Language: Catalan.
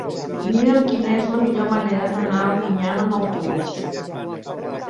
Mira'm quina és la millor manera d'anar a Albinyana amb autobús.